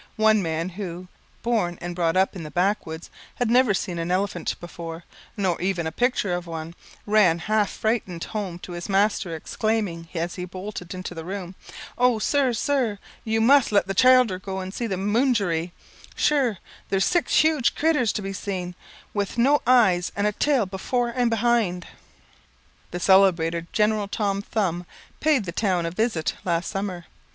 One man who, born and brought up in the Backwoods, had never seen an elephant before, nor even a picture of one, ran half frightened home to his master, exclaiming as he bolted into the room, "Oh, sir! sir! you must let the childer go to the munjery. Shure there's six huge critters to be seen, with no eyes, and a tail before and behind." The celebrated General Tom Thumb paid the town a visit last summer.